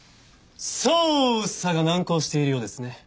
捜査が難航しているようですね。